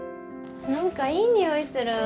何かいい匂いする。